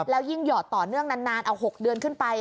แล้วยิ่งหยอดต่อเนื่องนานเอา๖เดือนขึ้นไป